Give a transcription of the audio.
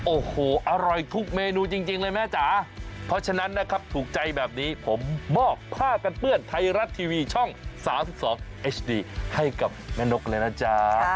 โอ้โหอร่อยทุกเมนูจริงเลยแม่จ๋าเพราะฉะนั้นนะครับถูกใจแบบนี้ผมมอบผ้ากันเปื้อนไทยรัฐทีวีช่อง๓๒เอสดีให้กับแม่นกเลยนะจ๊ะ